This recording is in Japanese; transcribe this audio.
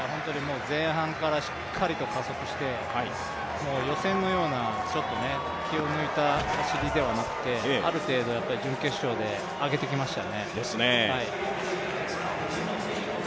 前半からしっかりと加速して予選のようなちょっと気を抜いた走りではなくてある程度、準決勝で上げてきましたね。